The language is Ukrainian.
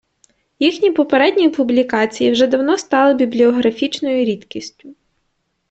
Їхні попередні публікації вже давно стали бібліографічною рідкістю.